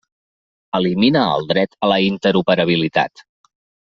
Elimina el dret a la interoperabilitat.